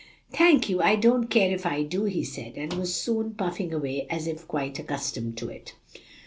"Thank you, I don't care if I do," he said, and was soon puffing away as if quite accustomed to it.